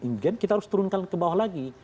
yang ingin kita harus turunkan ke bawah lagi